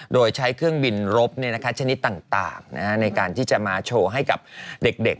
โดยใช้เครื่องบินรบชนิดต่างในการที่จะมาโชว์ให้กับเด็ก